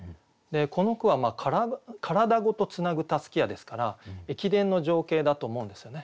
この句は「体ごと繋ぐ襷や」ですから駅伝の情景だと思うんですよね